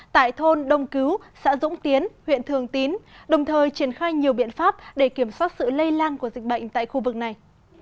tại thôn đông cứu xã dũng tiến huyện thường tín đồng thời triển khai nhiều biện pháp để kiểm soát sự lây lan của dịch bệnh tại khu vực này